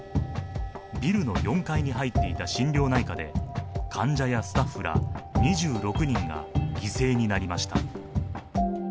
ビルの４階に入っていた心療内科で患者やスタッフら２６人が犠牲になりました。